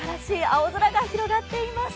青空が広がっています。